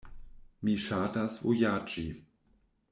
Mi ŝatas vojaĝi.